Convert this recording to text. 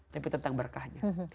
tapi tentang berkahnya